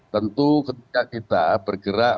tentu ketika kita bergerak